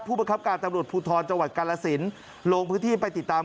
ผู้ประคับการตำรวจภูทรจกรสินโลกพื้นที่ไปติดตาม